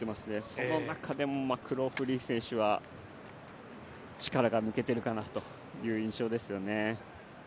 その中でもマクローフリン選手は力が抜けているかなという印象ですよね。